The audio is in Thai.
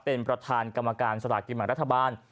เป็นประธานกรรมการสลากกินแบ่งรัฐบาล